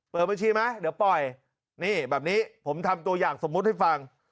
เปิดบัญชีไหมเดี๋ยวปล่อยนี่แบบนี้ผมทำตัวอย่างสมมุติให้ฟัง